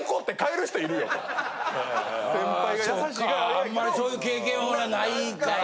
あんまりそういう経験俺らないから。